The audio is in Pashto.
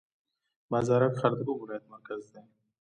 بازارک ښار د کوم ولایت مرکز دی؟